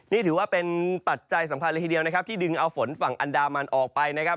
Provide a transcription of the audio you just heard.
นี่ถือว่าเป็นปัจจัยสำคัญเลยทีเดียวนะครับที่ดึงเอาฝนฝั่งอันดามันออกไปนะครับ